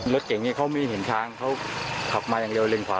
รถเก่งนี้เขาไม่เห็นช้างเขาขับมาอย่างเร็วเลนขวา